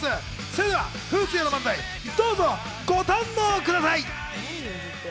それではフースーヤの漫才、どうぞご堪能ください。